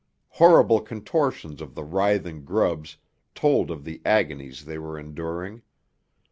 Horrible contortions of the writhing grubs told of the agonies they were enduring.